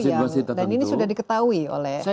dan ini sudah diketahui oleh aparat